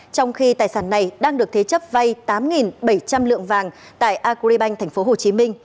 trong khi tài sản này đang được thế chấp vay tám bảy trăm linh lượng vàng tại agribank tp hcm